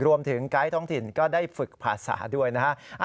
ไกด์ท้องถิ่นก็ได้ฝึกภาษาด้วยนะฮะ